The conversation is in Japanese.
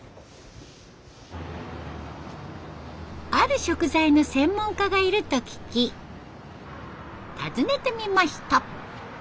ある食材の専門家がいると聞き訪ねてみました。